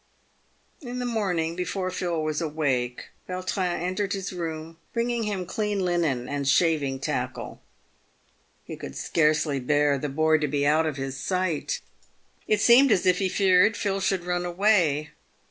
In the morning, before Phil was awake, Vautrin entered his room, bringing him clean linen and shaving tackle. He could scarcely bear the boy to be out of his sight. It seemed as if he feared Phil should run away.